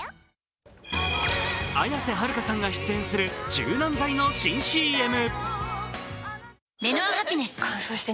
綾瀬はるかさんが出演する柔軟剤の新ＣＭ。